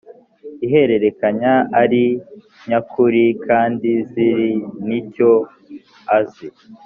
ihererekanya ari nyakuri kandi ziri n icyo azi